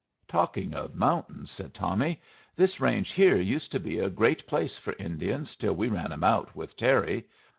"Talking of mountains," said Tommy, "this range here used to be a great place for Indians till we ran 'em out with Terry.